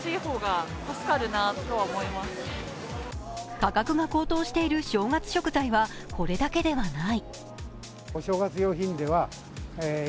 価格が高騰している正月食材はこれだけではない。